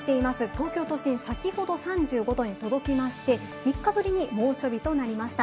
東京都心、先ほど３５度に届きまして、３日ぶりに猛暑日となりました。